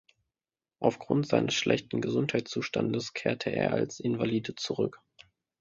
Aufgrund seines schlechten Gesundheitszustandes kehrte er als Invalide zurück.